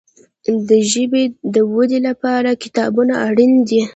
د ژبي د ودي لپاره کتابونه اړین دي.